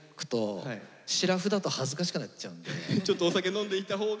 ちょっとお酒飲んでいたほうが。